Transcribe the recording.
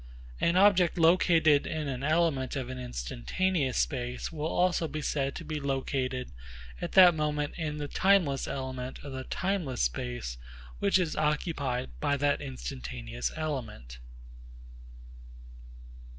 An object located in an element of an instantaneous space will also be said to be located at that moment in the timeless element of the timeless space which is occupied by that instantaneous element.